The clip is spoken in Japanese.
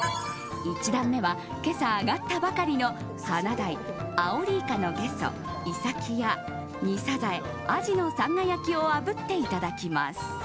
１段目は今朝揚がったばかりのハナダイアオリイカのゲソイサキや煮サザエアジのさんが焼きを炙っていただきます。